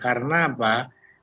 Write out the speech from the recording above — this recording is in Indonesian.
karena dalam perusahaan